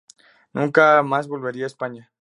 Nunca más volvería a España.